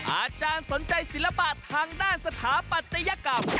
อาจารย์สนใจศิลปะทางด้านสถาปัตยกรรม